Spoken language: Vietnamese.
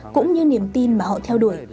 cũng như niềm tin mà họ theo đuổi